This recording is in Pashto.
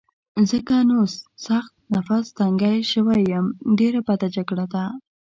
ځکه نو سخت نفس تنګی شوی یم، ډېره بده جګړه ده.